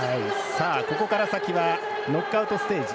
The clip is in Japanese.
ここから先はノックアウトステージ。